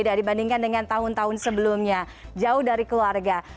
dari pemerintah sendiri di wisma